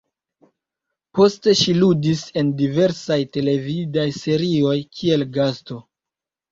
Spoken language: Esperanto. Poste ŝi ludis en diversaj televidaj serioj, kiel gasto.